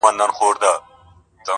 هم نسترن هم یې چینار ښکلی دی!